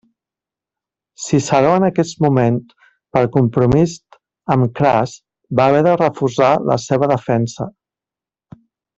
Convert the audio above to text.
Ciceró en aquest moment, per compromís amb Cras, va haver de refusar la seva defensa.